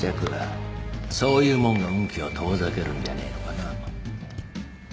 そういうもんが運気を遠ざけるんじゃねえのかな？